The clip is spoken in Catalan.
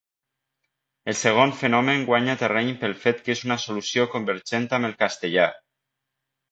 El segon fenomen guanya terreny pel fet que és una solució convergent amb el castellà.